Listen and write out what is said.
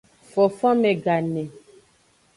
Fonfonme gane.